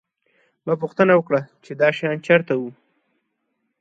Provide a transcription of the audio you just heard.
ما پوښتنه وکړه چې دا شیان چېرته وو